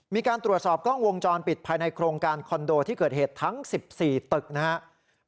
มีการตรวจสอบกล้องวงจรปิดภายในโครงการคอนโดที่เกิดเหตุทั้ง๑๔ตึกนะครับ